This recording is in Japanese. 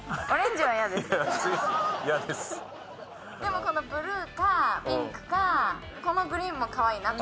でもこのブルーかピンクか、このグリーンもかわいいな。